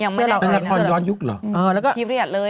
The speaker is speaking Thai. ย้อนยุคเหรอเออแล้วก็เทรียดเลย